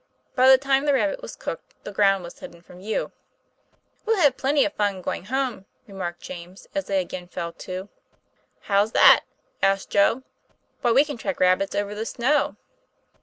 By the time the rabbit was cooked, the ground was hidden from view. ' We'll have plenty of fun going home," remarked James, as they again fell to. " How's that ?" asked Joe. 'Why, we can track rabbits over the snow."